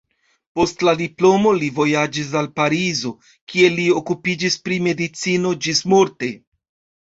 Post la diplomo li vojaĝis al Parizo, kie li okupiĝis pri medicino ĝismorte.